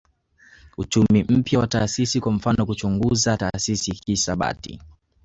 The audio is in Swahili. Uchumi mpya wa taasisi kwa mfano huchunguza taasisi kihisabati